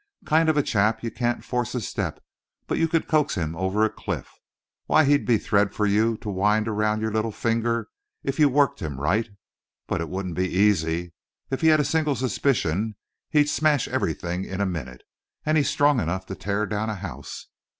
Kind of a chap you can't force a step, but you could coax him over a cliff. Why, he'd be thread for you to wind around your little finger if you worked him right. But it wouldn't be easy. If he had a single suspicion he'd smash everything in a minute, and he's strong enough to tear down a house.